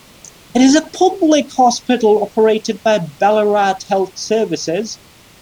It is a public hospital operated by Ballarat Health Services.